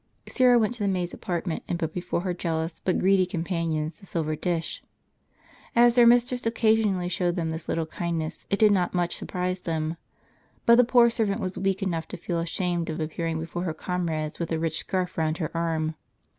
Syra went to the maids' apartment, and put before her jealous but greedy companions the silver dish. As their mis tress occasionally showed them this little kindness, it did not much surprise them. But the poor servant was weak enough to feel ashamed of appearing before her comrades with the rich scarf round her arm.